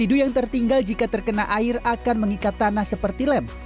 ibu yang tertinggal jika terkena air akan mengikat tanah seperti lem